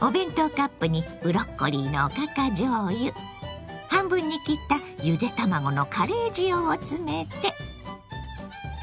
お弁当カップにブロッコリーのおかかじょうゆ半分に切ったゆで卵のカレー塩を詰めて。